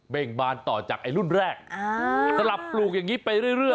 ่งบานต่อจากไอ้รุ่นแรกสลับปลูกอย่างนี้ไปเรื่อย